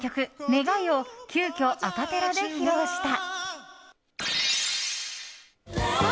「願い」を急きょ、アカペラで披露した。